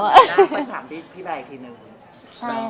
ไปถามพี่ใบอีกทีหนึ่ง